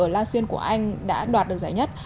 ở la xuyên của anh đã đoạt được giải nhất